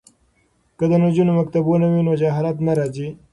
که د نجونو مکتبونه وي نو جهالت نه راځي.